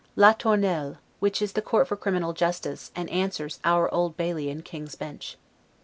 'La Tournelle', which is the court for criminal justice, and answers to our Old Bailey and King's Bench.